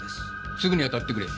すぐに当たってくれ。